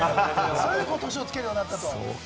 それで年をつけるようになったと。